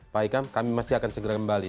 pak hikam kami masih akan segera kembali